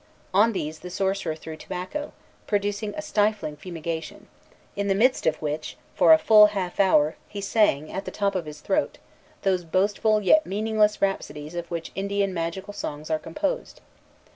On these the sorcerer threw tobacco, producing a stifling fumigation; in the midst of which, for a full half hour, he sang, at the top of his throat, those boastful, yet meaningless, rhapsodies of which Indian magical songs are composed.